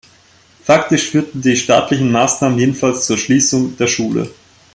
Faktisch führten die staatlichen Maßnahmen jedenfalls zur Schließung der Schule.